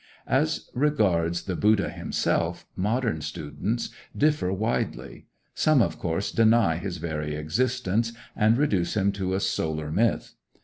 As regards the Buddha himself, modern students differ widely. Some, of course, deny his very existence, and reduce him to a solar myth.